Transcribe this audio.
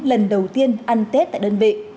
lần đầu tiên ăn tết tại đơn vị